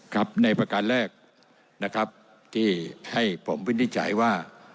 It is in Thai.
ครับในประการแรกนะครับที่ให้ผมวินิจฉัยว่า